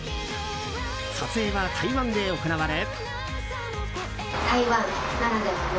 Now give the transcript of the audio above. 撮影は台湾で行われ。